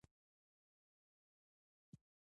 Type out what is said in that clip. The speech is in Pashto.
آیا دوی ریل ګاډي نه جوړوي؟